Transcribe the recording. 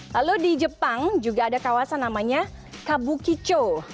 lalu di jepang juga ada kawasan namanya kabukico